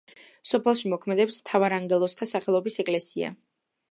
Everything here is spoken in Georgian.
სოფელში მოქმედებს მთავარანგელოზთა სახელობის ეკლესია.